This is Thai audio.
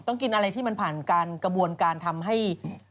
กินอะไรที่มันผ่านการกระบวนการทำให้